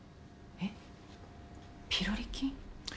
えっピロリ菌？